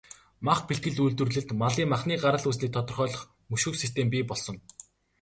Мах бэлтгэл, үйлдвэрлэлд малын махны гарал үүслийг тодорхойлох, мөшгөх систем бий болгосон.